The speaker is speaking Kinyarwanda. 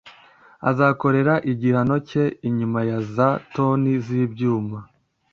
azakorera igihano cye inyuma ya za "toni z'ibyuma